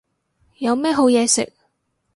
有咩好嘢食